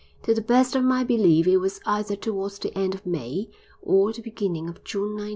To the best of my belief it was either towards the end of May or the beginning of June 1915.